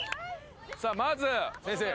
さあまず先生。